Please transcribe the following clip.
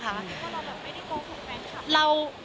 ก็เราแบบไม่ได้โกหกแมนคับ